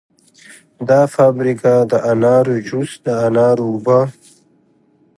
دا فابریکه د انارو جوس، د انارو اوبه